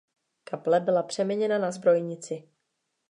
Kaple byla přeměněna na zbrojnici.